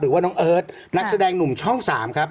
หรือว่าน้องเอิร์ทนักแสดงหนุ่มช่อง๓ครับ